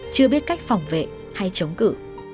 chưa biết cách phòng vệ hay chống cử